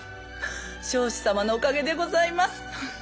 彰子様のおかげでございます。